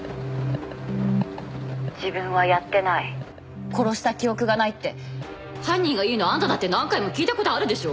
「自分はやってない」「殺した記憶がない」って犯人が言うのあんただって何回も聞いた事あるでしょ？